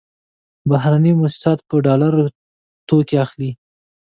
بهرني موسسات په ډالرو توکې اخلي.